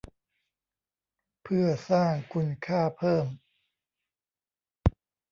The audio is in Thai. เพื่อสร้างคุณค่าเพิ่ม